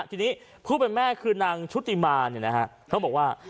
ทีนี้ผู้เป็นแม่คือนางชุติมานเนี่ยนะฮะเขาบอกว่า